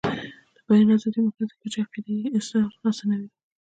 د بیان ازادي مهمه ده ځکه چې د عقیدې اظهار اسانوي.